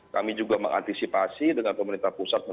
kami juga mengantisipasi dengan pemerintah pusat